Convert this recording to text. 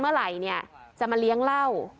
เมื่อไหร่เนี่ยจะมาเลี้ยงเหล้า